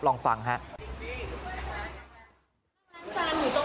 ลองฟังครับ